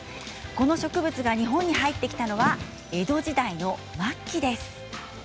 この植物が日本に入ってきたのは江戸時代末期です。